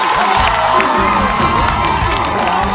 อยากไปหาพี่รัก